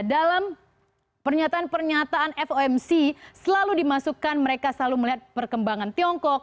dan pernyataan pernyataan fomc selalu dimasukkan mereka selalu melihat perkembangan tiongkok